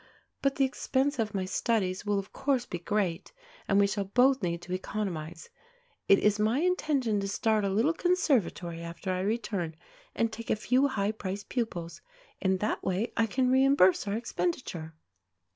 But the expense of my studies will of course be great, and we shall both need to economize. It is my intention to start a little conservatory after I return and take a few high priced pupils. In that way I can reimburse our expenditure."